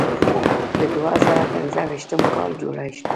د دوه زره پنځه ویشتم کال جولای ده.